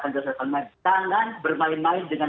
jangan bermain main dengan